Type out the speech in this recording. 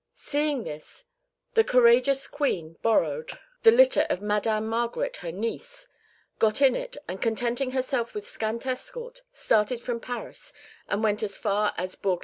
Seeing this, the courageous Queen borrowed the litter of Madame Margaret, her niece,(1) got in it, and contenting herself with scant escort, started from Paris and went as far as Bourg la Reine.